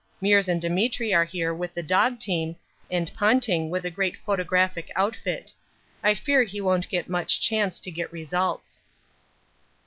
Meares and Demetri are here with the dog team, and Ponting with a great photographic outfit. I fear he won't get much chance to get results.